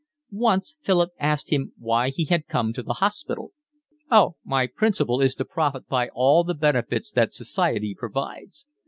Once Philip asked him why he had come to the hospital. "Oh, my principle is to profit by all the benefits that society provides.